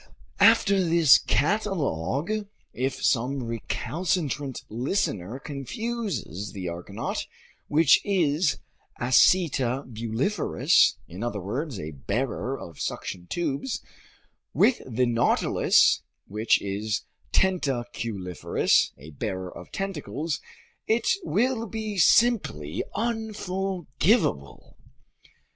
After this catalog, if some recalcitrant listener confuses the argonaut, which is acetabuliferous (in other words, a bearer of suction tubes), with the nautilus, which is tentaculiferous (a bearer of tentacles), it will be simply unforgivable.